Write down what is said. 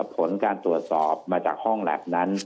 ผลการตรวจสอบมาจากห้องแล็บนั้น